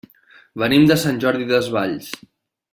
Venim de Sant Jordi Desvalls.